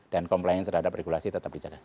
dan compliance terhadap regulasi tetap dijaga